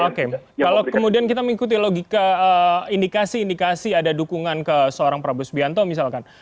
oke kalau kemudian kita mengikuti logika indikasi indikasi ada dukungan ke seorang prabowo subianto misalkan